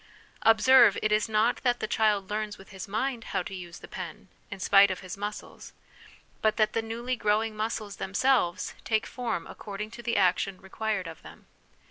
Observe, it is not that the child learns with his mind how to use his pen, in spite of his muscles ; but that the newly growing muscles themselves take form according to the action required of them.